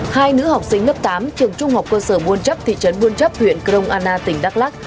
hai nữ học sinh lớp tám trường trung học cơ sở buôn chấp thị trấn buôn chấp huyện crong anna tỉnh đắk lắc